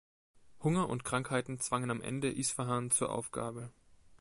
Hunger und Krankheiten zwangen am Ende Isfahan zu Aufgabe.